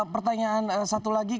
pertanyaan satu lagi